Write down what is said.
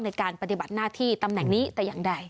ในการปฏิบัติหน้าที่ตำแหน่งนี้แต่อย่างใด